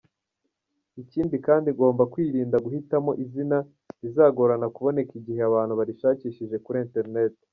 Ikindi kandi ugomba kwirinda guhitamo izina rizagorana kuboneka igihe abantu barishakishije kuri internet.